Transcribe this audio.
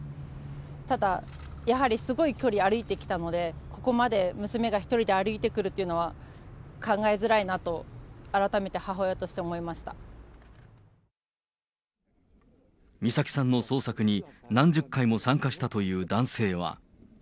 ただやはり、すごい距離歩いてきたので、ここまで娘が一人で歩いてくるというのは、考えづらいなと、改め美咲さんの捜索に、何十回も参加したという男性は。